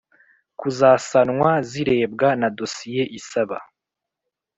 Kuzasanwa zirebwa na dosiye isaba